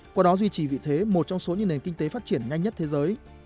qua đó duy trì vị thế một trong số những nền kinh tế phát triển nhanh nhất thế giới